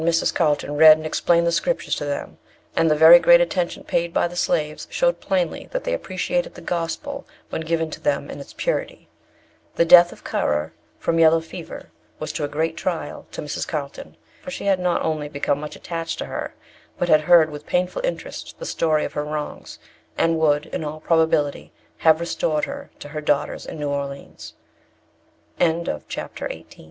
On the Sabbath, Mr. and Mrs. Carlton read and explained the Scriptures to them; and the very great attention paid by the slaves showed plainly that they appreciated the gospel when given to them in its purity. The death of Currer, from yellow fever, was a great trial to Mrs. Carlton; for she had not only become much attached to her, but had heard with painful interest the story of her wrongs, and would, in all probability, have restored her